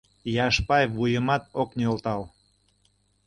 Яшпай вуйымат ок нӧлтал.